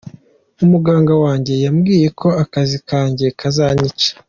Umuganga wanjye yambwiye ko akazi kanjye kazanyica.